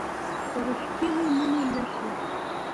د ریښتینې مینې نښې